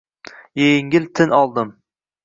Engil tin oldim